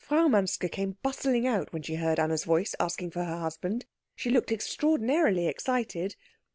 Frau Manske came bustling out when she heard Anna's voice asking for her husband. She looked extraordinarily excited.